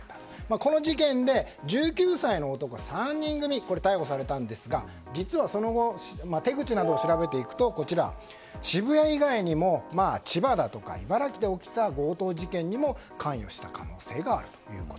この事件で１９歳の男の３人組が逮捕されたんですが実は、その後手口などを調べていくと渋谷以外にも千葉だとか茨城で起きた強盗事件にも関与した可能性があるということ。